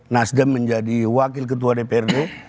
nasdem menjadi wakil ketua dprd